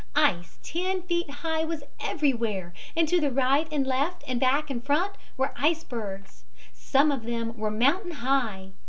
Ice ten feet high was everywhere, and to the right and left and back and front were icebergs. Some of them were mountain high.